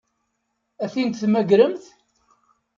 Ad ten-id-temmagremt?